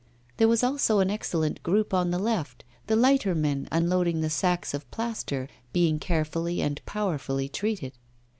There was also an excellent group on the left, the lightermen unloading the sacks of plaster being carefully and powerfully treated.